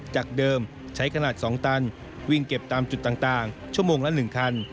จากเดิมใช้ขนาดสองตันวิ่งเก็บตามจุดต่างต่างชั่วโมงละหนึ่งคัน